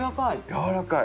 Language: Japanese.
やわらかい？